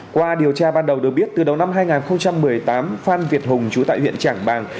qua điều tra ban đầu được biết từ đầu năm hai nghìn một mươi tám phan việt hùng chú tại huyện trảng bàng